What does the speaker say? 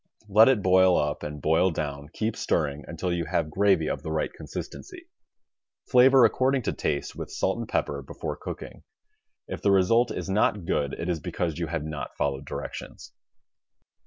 Let it boil up and boil down, keep stirring, until you have gravy of the right consistency. Flavor according to taste, with salt and pepper, before cooking. If the result is not good it is because you have not followed directions.